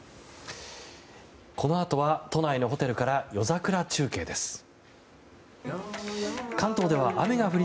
このあとは都内のホテルから夜桜中継です。